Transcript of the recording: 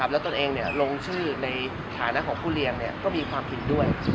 แล้วตนเองลงชื่อในฐานะของผู้เรียนก็มีความผิดด้วย